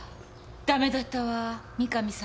ダメだったわ三神さん。